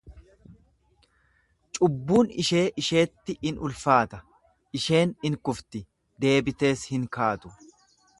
Cubbuun ishee isheetti in ulfaata, isheen in kufti, deebitees hin kaatu.